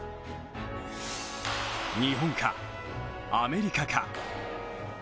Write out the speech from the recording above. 日本か、アメリカか。